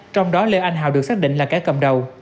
trong đó lê anh hào được xác định là kẻ cầm đầu